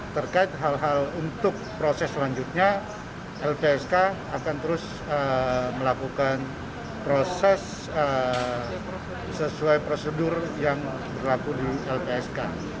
terkait hal hal untuk proses selanjutnya lpsk akan terus melakukan proses sesuai prosedur yang berlaku di lpsk